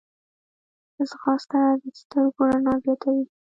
ځغاسته د سترګو رڼا زیاتوي